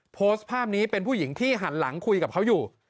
ภาพเป็นผู้หญิงที่หันหลังคุยกับเขาอยู่